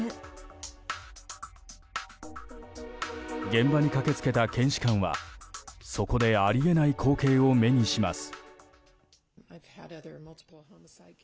現場に駆け付けた検視官はそこであり得ない光景を目にします。